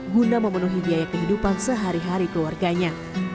guna memenuhi biaya kehidupan sehari hari keluarganya